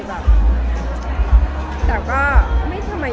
ทุ่มหัวตีเข้าบ้าน